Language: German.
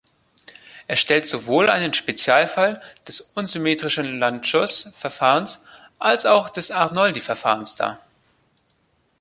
Es stellt sowohl einen Spezialfall des unsymmetrischen Lanczos-Verfahrens, als auch des Arnoldi-Verfahrens dar.